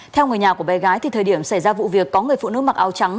theo người nhà của bé gái thì thời điểm xảy ra vụ việc có người phụ nữ mặc áo trắng